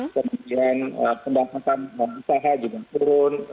kemudian pendapatan usaha juga turun